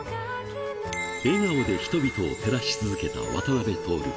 笑顔で人々を照らし続けた渡辺徹。